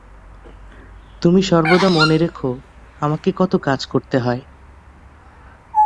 তুমি সর্বদা মনে রেখো, আমাকে কত কাজ করতে হয়।